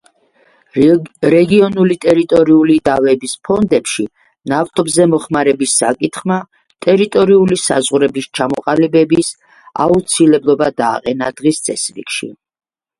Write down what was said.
რეგიონული ტერიტორიული დავების ფონდებში ნავთობზე მოხმარების საკითხმა ტერიტორიული საზღვრების ჩამოყალიბების აუცილებლობა დააყენა დღის წესრიგში.